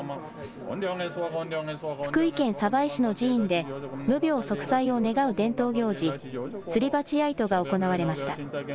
福井県鯖江市の寺院で無病息災を願う伝統行事、すりばちやいとが行われました。